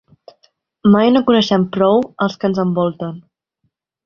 Mai no coneixem prou els que ens envolten.